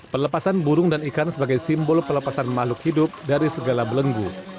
pelepasan burung dan ikan sebagai simbol pelepasan makhluk hidup dari segala belenggu